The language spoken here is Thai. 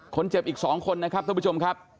อีก๒คนนะครับท่านผู้ชมครับ